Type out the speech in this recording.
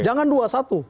jangan dua satu